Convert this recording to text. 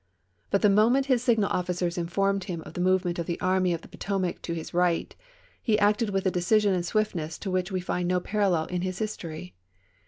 But the moment his signal officers informed him of the movement of the Army of the Potomac to his right, he acted with a decision and swiftness to which we find no parallel in his history.